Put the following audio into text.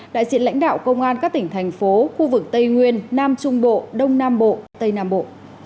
đại diện lãnh đạo công an các tỉnh thành phố khu vực tây nguyên nam trung bộ đông nam bộ tây nam bộ